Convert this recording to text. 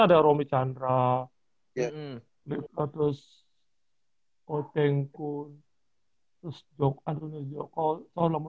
ada romy chandra lipsa terus ko cheng kun terus joko